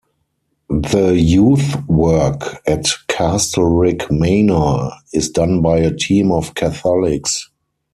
The youth work at Castlerigg Manor is done by a team of Catholics.